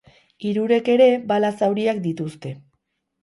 Hirurek ere bala zauriak dituzte.